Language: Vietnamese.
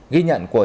ghi nhận của